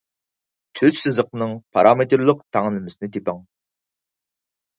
تۈز سىزىقنىڭ پارامېتىرلىق تەڭلىمىسىنى تېپىڭ.